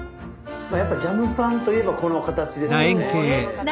やっぱジャムパンといえばこの形ですよね。